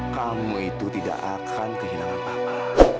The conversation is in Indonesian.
kamu itu tidak akan kehilangan apa